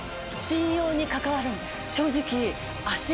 正直。